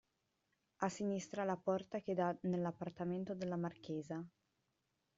A sinistra la porta che dà nell'appartamento della marchesa.